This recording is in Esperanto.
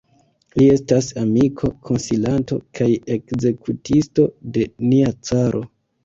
Li estas amiko, konsilanto kaj ekzekutisto de nia caro.